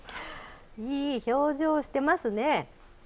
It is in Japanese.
いい表情してますね。